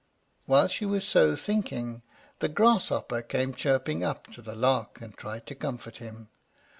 While she was so thinking, the Grasshopper came chirping up to the Lark, and tried to comfort him.